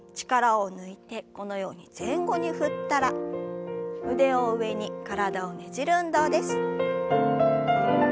力を抜いてこのように前後に振ったら腕を上に体をねじる運動です。